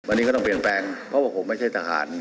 วันนี้ก็ต้องเปลี่ยนแปลงเพราะว่าผมไม่ใช่ทหาร